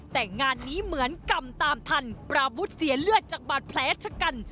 แต่งานนี้เหมือนกรรมตามทันปราวุฒิเสียเลือดจากบาดแผลชะกัน